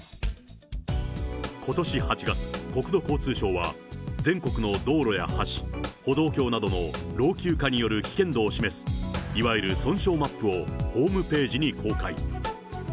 ことし８月、国土交通省は、全国の道路や橋、歩道橋などの老朽化による危険度を示す、いわゆる損傷マップをホームページに公開。